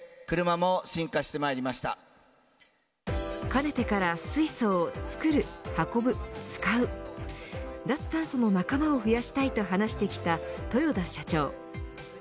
かねてから水素を作る、運ぶ、使う脱炭素の仲間を増やしたいと話してきた豊田社長。